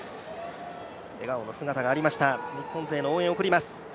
笑顔の姿がありました、日本勢、応援を送ります。